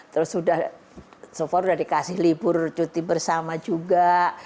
terus sudah so far sudah dikasih libur cuti bersama juga